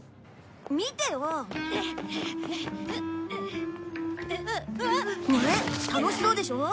見てよ！ねえ楽しそうでしょ？